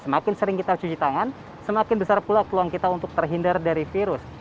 semakin sering kita cuci tangan semakin besar pula peluang kita untuk terhindar dari virus